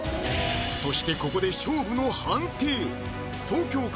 そしてここで勝負の判定